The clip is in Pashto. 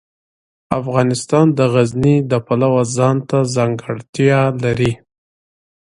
افغانستان د غزني د پلوه ځانته ځانګړتیا لري.